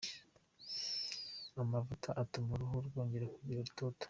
Amavuta atuma uruhu rwongera kugira itoto.